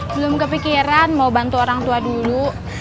belum kepikiran mau bantu orang tua dulu